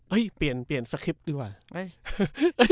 หรอระดับนั้นเปลี่ยนสคริปท์ด้วยอ่ะ